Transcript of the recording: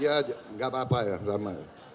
ya gak apa apa ya sama